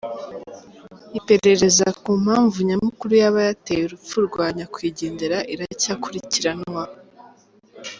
Iperereza ku mpamvu nyamukuru yaba yateye urupfu rwa nyakwigendera iracyakurikiranwa.